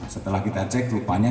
setelah kita cek lupanya